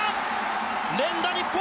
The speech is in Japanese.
連打日本！